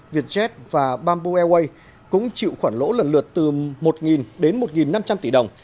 vietjet và bamboo airways cũng chịu khoản lỗ lần lượt từ một đến một năm trăm linh tỷ đồng